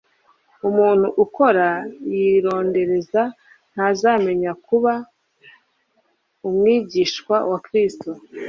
Umuntu ukora yirondereza ntazamenya kuba umwigishwa wa Kristo